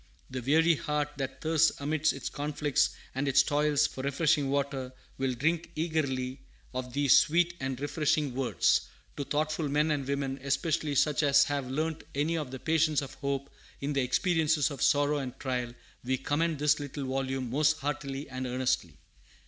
The weary heart that thirsts amidst its conflicts and its toils for refreshing water will drink eagerly of these sweet and refreshing words. To thoughtful men and women, especially such as have learnt any of the patience of hope in the experiences of sorrow and trial, we commend this little volume most heartily and earnestly."